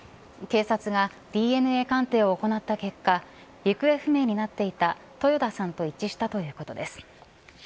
警察がＤＮＡ鑑定を行った結果行方不明になっていた豊田さんと一致したということです。